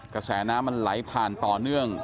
กระแสน้ำมันไหลผ่านต่อเนื่อง